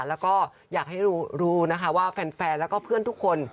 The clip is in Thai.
แล้วก็อยากให้รู้นะคะว่าแฟนแล้วก็เพื่อนทุกคน